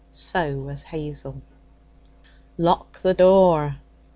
So was Hazel. 'Lock the door!'